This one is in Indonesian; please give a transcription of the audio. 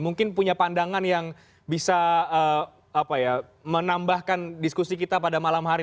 mungkin punya pandangan yang bisa menambahkan diskusi kita pada malam hari